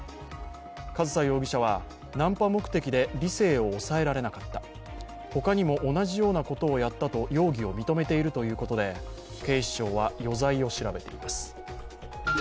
上総容疑者は、ナンパ目的で理性を抑えられなかった、他にも同じようなことをやったと容疑を認めているということで警視庁は余罪を調べています。